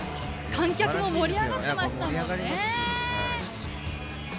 観客も盛り上がっていましたよね。